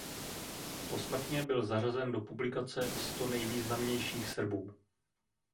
Posmrtně byl zařazen do publikace Sto nejvýznamnějších Srbů.